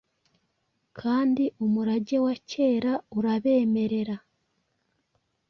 Kandi umurage wa kera urabemerera